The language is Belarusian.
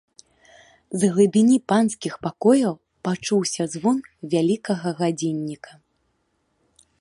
З глыбіні панскіх пакояў пачуўся звон вялікага гадзінніка.